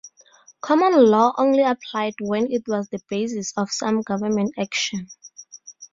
Common law only applied when it was the basis of some government action.